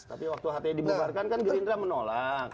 tapi waktu hti dibubarkan kan gerindra menolak